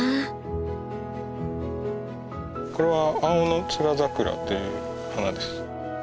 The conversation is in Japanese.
これはアオノツガザクラという花です。